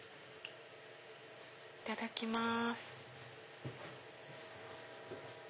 いただきます。